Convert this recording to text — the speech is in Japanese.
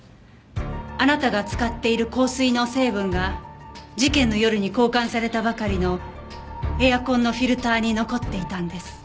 あなたが使っている香水の成分が事件の夜に交換されたばかりのエアコンのフィルターに残っていたんです。